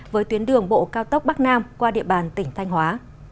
với tuyến đường bộ cao tốc bắc nam qua địa bàn tỉnh thanh hóa